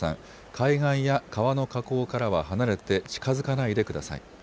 海岸や川の河口からは離れて近づかないでください。